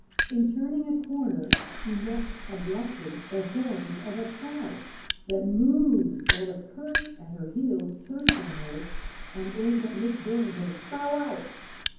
In turning a corner, she met Abruptly, the horns of a cow That mooed, while the cur, At her heels, turned from her, And aimed at Miss Vain his "bow wow."